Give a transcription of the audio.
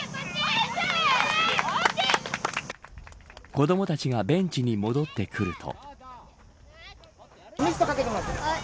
子どもたちがベンチに戻ってくると。